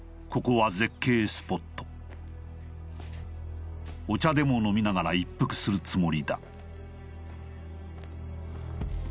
ここは絶景スポットお茶でも飲みながら一服するつもりだ